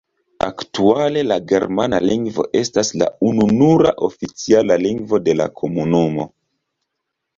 Aktuale la germana lingvo estas la ununura oficiala lingvo de la komunumo.